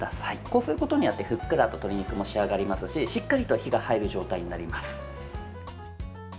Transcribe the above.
こうすることによってふっくらと鶏肉も仕上がりますししっかりと火が入る状態になります。